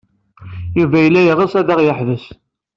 Yuba yella yeɣs ad aɣ-yeḥbes.